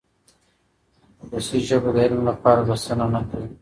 ولسي ژبه د علم لپاره بسنه نه کوي.